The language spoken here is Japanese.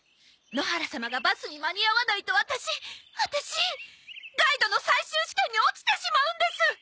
野原様がバスに間に合わないとワタシワタシガイドの最終試験に落ちてしまうんです！